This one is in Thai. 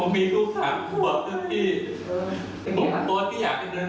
มาด้วย